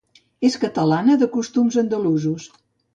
És catalana, de costums andalusos.